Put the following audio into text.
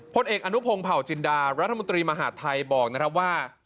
ผู้เจมส์อันนุคพงษ์เผาจินดารัฐมนตรีมหาสไทยบอกนะครับว่า